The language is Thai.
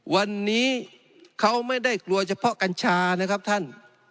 วันนี้เขาไม่ได้กลัวเฉพาะกัญชานะครับท่าน